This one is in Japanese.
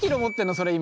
それ今。